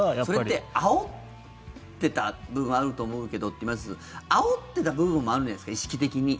それってあおってた部分もあると思うけどって言いますけどあおってた部分もあるじゃないですか、意識的に。